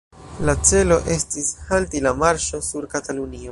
La celo estis halti la marŝo sur Katalunio.